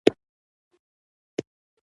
احساسات د بینالذهني اړیکې برخه دي.